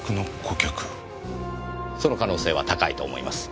その可能性は高いと思います。